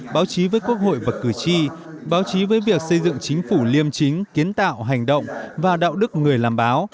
báo chí với quốc hội và cử tri báo chí với việc xây dựng chính phủ liêm chính kiến tạo hành động và đạo đức người làm báo